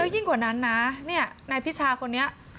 ยิ่งกว่านั้นนะนายพิชาคนนี้